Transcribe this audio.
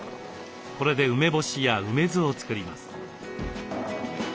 これで梅干しや梅酢を作ります。